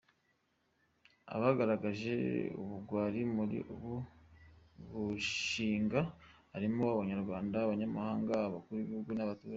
Abagaragaje ubugwari muri uyu mushinga, harimo Abanyarwanda n’abanyamahanga, Abakuru b’ibihugu n’abaturage.